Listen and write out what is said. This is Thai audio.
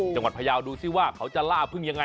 จังหวัดพยาวดูสิว่าเขาจะล่าผึ้งยังไง